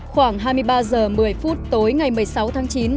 khoảng hai mươi ba h một mươi phút tối ngày một mươi sáu tháng chín